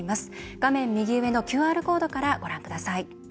画面右上のＱＲコードからご覧ください。